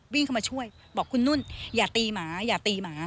วิ่งเข้ามาช่วยบอกคุณนุ่นอย่าตีหมาอย่าตีหมา